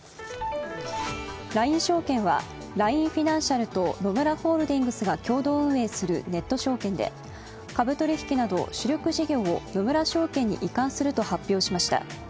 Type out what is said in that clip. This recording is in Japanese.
ＬＩＮＥ証券はＬＩＮＥＦｉｎａｎｃｉａｌと野村ホールディングスが共同運営するネット証券で、株取引など主力事業を野村証券に移管すると発表しました。